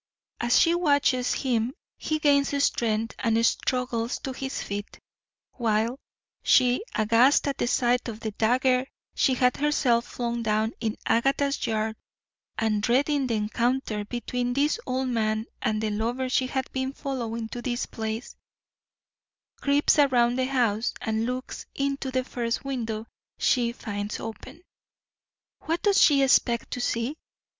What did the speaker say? As she watches him he gains strength and struggles to his feet, while she, aghast at the sight of the dagger she had herself flung down in Agatha's yard, and dreading the encounter between this old man and the lover she had been following to this place, creeps around the house and looks into the first window she finds open. What does she expect to see?